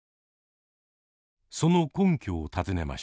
その根拠を尋ねました。